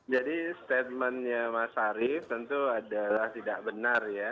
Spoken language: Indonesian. jadi statementnya mas arief tentu adalah tidak benar ya